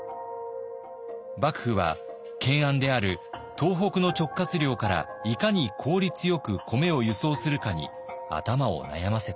幕府は懸案である東北の直轄領からいかに効率よく米を輸送するかに頭を悩ませていました。